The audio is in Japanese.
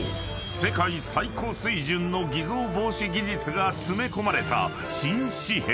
世界最高水準の偽造防止技術が詰め込まれた新紙幣］